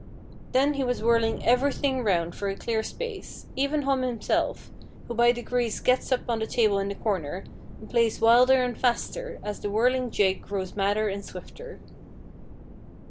Then he was whirling everything round for a clear space, even Hom himself, who by degrees gets up on the table in the corner, and plays wilder and faster, as the whirling jig grows madder and swifter.